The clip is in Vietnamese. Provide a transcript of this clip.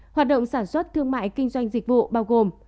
hoạt động sản xuất thương mại kinh doanh dịch vụ bao gồm